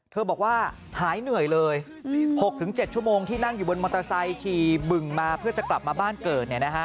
บอกว่าหายเหนื่อยเลย๖๗ชั่วโมงที่นั่งอยู่บนมอเตอร์ไซค์ขี่บึงมาเพื่อจะกลับมาบ้านเกิด